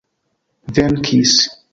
venkis